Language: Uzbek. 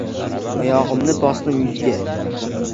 Oyogʻimni bosdim yuziga.